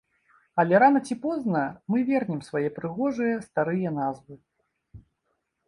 Але рана ці позна мы вернем свае прыгожыя старыя назвы.